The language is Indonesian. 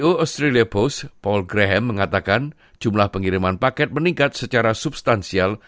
ceo australia post paul graham mengatakan jumlah pengiriman paket meningkat secara substansial